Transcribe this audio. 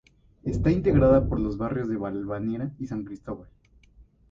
Está integrada por los barrios de Balvanera y San Cristóbal.